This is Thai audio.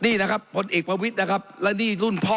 นี่นะครับผลเอกประวิทย์นะครับและนี่รุ่นพ่อ